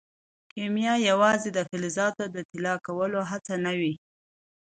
کیمیا یوازې د فلزاتو د طلا کولو هڅه نه وه.